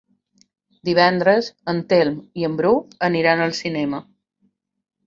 Divendres en Telm i en Bru aniran al cinema.